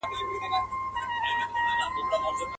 رنځ یې په کور وي طبیب نه لري دوا نه لري.